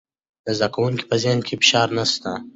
د زده کوونکو په ذهن کې فشار نشته.